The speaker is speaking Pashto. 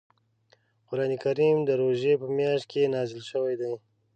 قران کریم د روژې په میاشت کې نازل شوی دی .